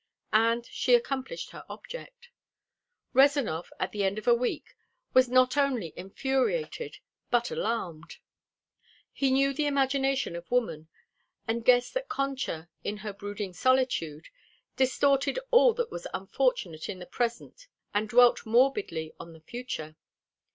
And she accomplished her object. Rezanov, at the end of a week was not only infuriated but alarmed. He knew the imagination of woman, and guessed that Concha, in her brooding solitude, distorted all that was unfortunate in the present and dwelt morbidly on the future.